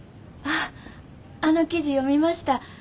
あっあの記事読みました。